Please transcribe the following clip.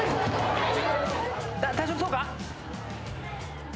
大丈夫そうか？